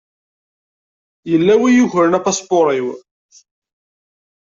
Yella win i yukren apaspuṛ-iw.